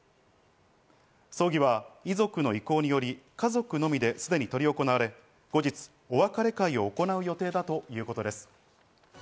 葬儀は遺族の意向により家族のみですでに執り行われ、後日お別れ会を行う予定だということです。